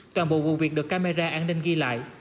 toàn bộ vụ việc được camera an ninh ghi lại